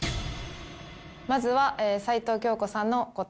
まずは齊藤京子さんの答え。